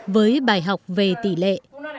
với bài học về tỷ lệ